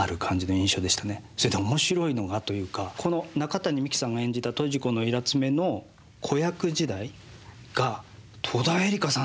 それと面白いのがというかこの中谷美紀さんが演じた刀自古郎女の子役時代が戸田恵梨香さんなんですよね。